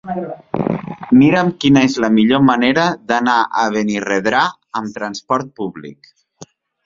Mira'm quina és la millor manera d'anar a Benirredrà amb transport públic.